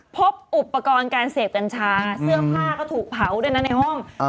พบอุปกรณ์การเสพกัญชาเสื้อผ้าก็ถูกเผาด้วยนะในห้อง